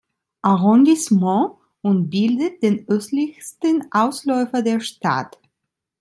Arrondissement und bildet den östlichsten Ausläufer der Stadt.